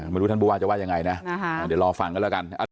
ไม่รู้ท่านผู้ว่าจะว่ายังไงนะเดี๋ยวรอฟังกันแล้วกัน